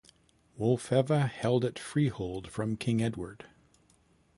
Wulfeva held it freehold from King Edward.